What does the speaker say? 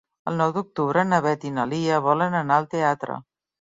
El nou d'octubre na Beth i na Lia volen anar al teatre.